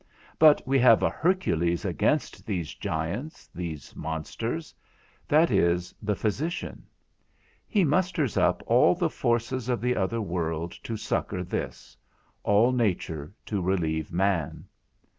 But we have a Hercules against these giants, these monsters; that is, the physician; he musters up all the forces of the other world to succour this, all nature to relieve man.